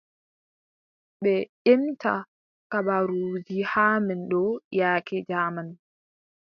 Ɓe ƴemta kubaruuji haa men ɗo yaake jaaman.